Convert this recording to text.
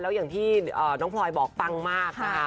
แล้วอย่างที่น้องพลอยบอกปังมากนะคะ